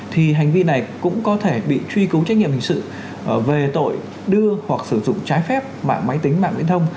thì hành vi này cũng có thể bị truy cứu trách nhiệm hình sự về tội đưa hoặc sử dụng trái phép mạng máy tính mạng viễn thông